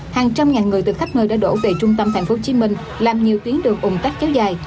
hàng trăm ngàn người từ khắp nơi đã đổ về trung tâm tp hcm làm nhiều tuyến đường ủng tắc kéo dài